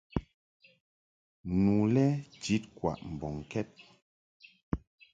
Nu lɛ jid kwaʼ mbɔŋkɛd.